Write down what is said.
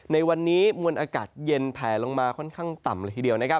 ในวันนี้มวลอากาศเย็นแผลลงมาค่อนข้างต่ำเลยทีเดียวนะครับ